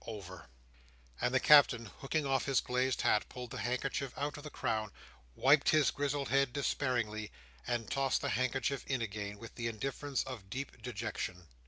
Over!" And the Captain, hooking off his glazed hat, pulled his handkerchief out of the crown, wiped his grizzled head despairingly, and tossed the handkerchief in again, with the indifference of deep dejection.